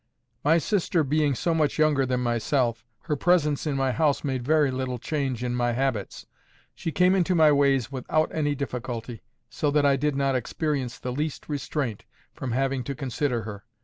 My sister being so much younger than myself, her presence in my house made very little change in my habits. She came into my ways without any difficulty, so that I did not experience the least restraint from having to consider her.